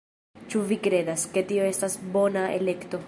Ĉu vi kredas, ke tio estas bona elekto